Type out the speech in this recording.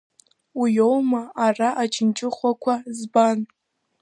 Уиоума, ара аџьынџьыхәақәа збан…